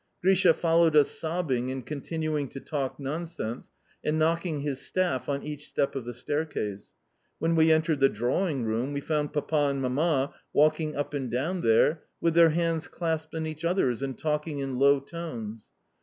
Grisha followed us sobbing and continuing to talk nonsense, and knocking his staff on each step of the staircase. When we entered the drawing room we found Papa and Mamma walking up and down there, with their hands clasped in each other's, and talking in low tones.